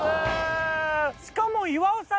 しかも。